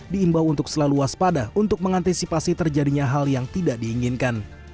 diimbau untuk selalu waspada untuk mengantisipasi terjadinya hal yang tidak diinginkan